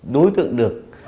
đối tượng được